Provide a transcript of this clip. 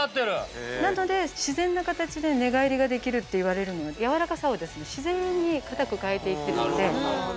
なので自然な形で寝返りができるっていわれるのは柔らかさを自然に硬く変えて行ってるので。